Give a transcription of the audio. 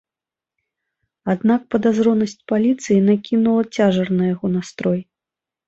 Аднак падазронасць паліцыі накінула цяжар на яго настрой.